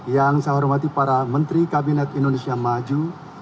yang saya hormati para menteri kabinet indonesia maju